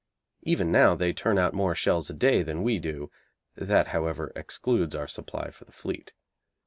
Even now they turn out more shells a day than we do. That, however, excludes our supply for the Fleet.